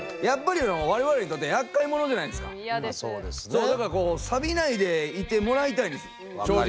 そうだからこうサビないでいてもらいたいんです正直。